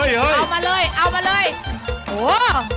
โยโห